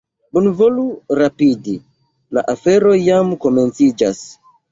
Bonvolu rapidi, la afero jam komenciĝas.